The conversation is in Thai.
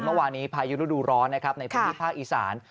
เมื่อวานี้พายุฤดูร้อนนะครับในพื้นที่ภาคอีสาน